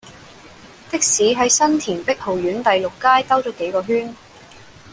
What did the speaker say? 的士喺新田碧豪苑第六街兜左幾個圈